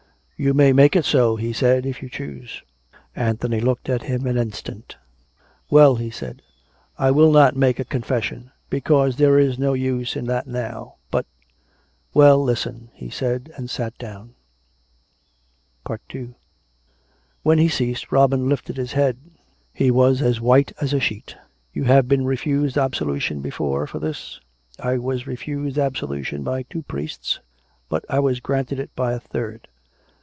" You may make it so/' he said, " if you choose." Anthony looked at him an instant. " Well," he said, " I will not make a confession, because there is no use in that now — but Well, listen !" he said, and sat down. II When he ceased, Robin lifted his head. He was as white as a sheet. " You have been refused absolution before for this ?"" I was refused absolution by two priests; but I was granted it by a third."